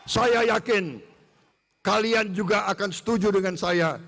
saya yakin kalian juga akan setuju dengan saya